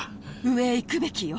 上へ行くべきよ。